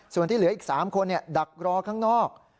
ส่วนที่เหลืออีก๓คนดักรอข้างนอก